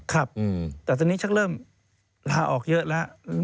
ครับแต่ตอนนี้ชักเริ่มลาออกเยอะแล้ว